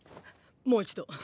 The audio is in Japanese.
もう一度。